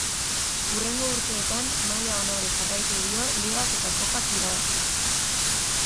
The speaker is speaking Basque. Hurrengo urteetan maila onari jarraitu dio ligak eta kopak irabaziz.